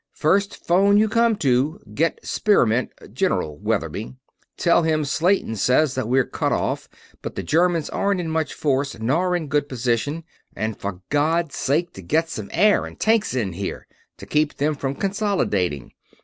"First phone you come to, get Spearmint General Weatherby. Tell him Slayton says that we're cut off, but the Germans aren't in much force nor in good position, and for God's sake to get some air and tanks in here to keep them from consolidating.